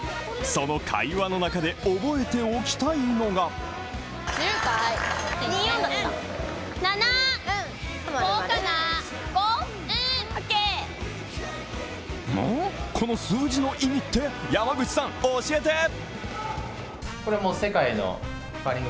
その会話の中で覚えておきたいのがこの数字の意味、山口さん教えて。